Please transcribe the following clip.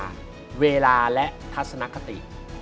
เวลาและทัศนคติ